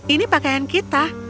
ini pakaian kita